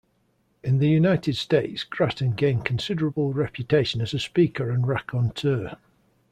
In the United States Grattan gained considerable reputation as a speaker and raconteur.